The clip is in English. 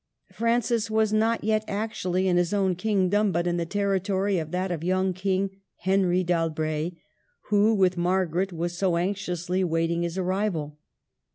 " Francis was not yet actually in his own king dom, but in the territory of that young King, Henry d'Albret, who, with Margaret, was so anxiously waiting his arrival.